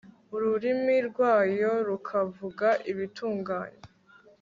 ururimi rwayo rukavuga ibitunganye